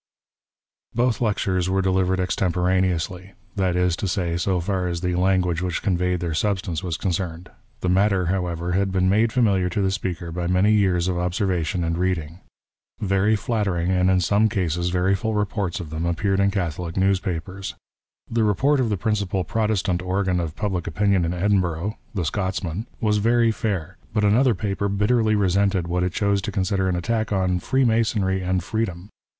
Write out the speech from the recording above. / Both lectures were delivered extemporaneously ; that is to say, so far as the language which conveyed their substance was concerned. The matter, however, had been made famihar to the speaker by many years of observation and reading. Very flattering, and, in some cases, very full reports of them appeared in Catholic new^spapers. The report of the principal Protestant organ of public opinion in Edinburgh (the Scotsman) was PREFACE. IX very fair, but another paper bitterly resented what it chose to consider an attack on "Freemasonry and Freedom."